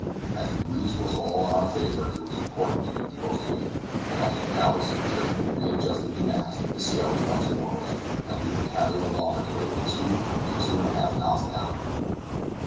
As the breeze was all in our favor it was important to make the most of it, and after Dowlas had carefully readjusted the mast, the sail was once more hoisted, and we were carried along at the rate of two or two and a half knots an hour.